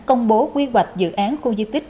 công bố quy hoạch dự án khu di tích